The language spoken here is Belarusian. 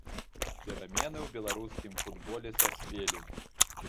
Перамены ў беларускім футболе саспелі.